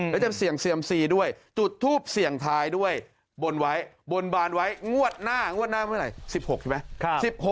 แล้วจะเสี่ยงเซียมซีด้วยจุดทูปเสี่ยงท้ายด้วยบนไว้บนบานไว้งวดหน้างวดหน้าเมื่อไหร่๑๖ใช่ไหม